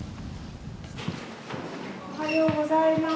おはようございます。